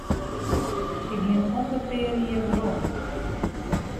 Ik gean om de pear jier werom.